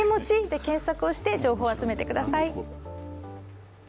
で検索して情報を集めてください。